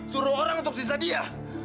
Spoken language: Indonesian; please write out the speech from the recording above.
suruh orang untuk sisa dia